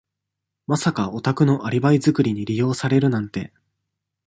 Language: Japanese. まさかお宅のアリバイ作りに利用されるなんて。